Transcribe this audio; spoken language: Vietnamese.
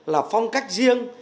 là phong cách riêng